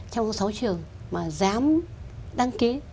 trong sáu trường mà dám đăng ký